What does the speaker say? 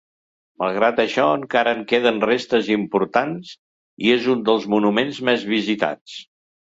Malgrat això, encara en queden restes importants i és un dels monuments més visitats.